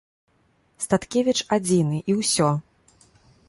Статкевіч адзіны, і ўсё.